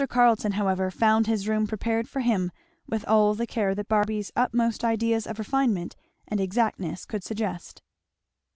Carleton however found his room prepared for him with all the care that Barby's utmost ideas of refinement and exactness could suggest.